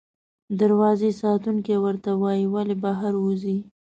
دروازې ساتونکی ورته وایي، ولې بهر وځې؟